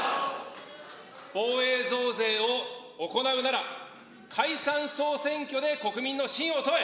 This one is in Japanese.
防衛増税を行うなら、解散・総選挙で国民の信を問え。